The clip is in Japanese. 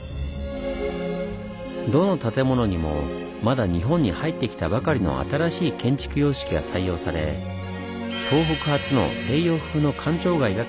どの建物にもまだ日本に入ってきたばかりの新しい建築様式が採用され東北初の西洋風の官庁街が完成。